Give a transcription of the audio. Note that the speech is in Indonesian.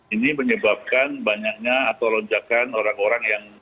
ini menyebabkan banyaknya atau lonjakan orang orang yang